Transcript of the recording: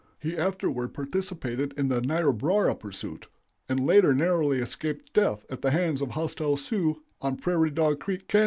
He afterward participated in the Niobrara pursuit, and later narrowly escaped death at the hands of hostile Sioux on Prairie Dog Creek, Kan.